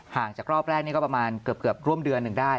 จากรอบแรกนี่ก็ประมาณเกือบร่วมเดือนหนึ่งได้